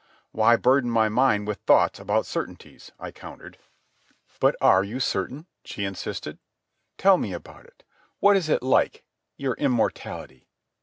"Why burden my mind with thoughts about certainties?" I countered. "But are you certain?" she insisted. "Tell me about it. What is it like—your immortality?"